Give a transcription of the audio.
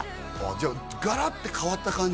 じゃあガラッて変わった感じ？